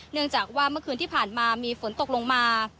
เนื่องจากว่าเมื่อคืนที่ผ่านมามีฝนตกลงมา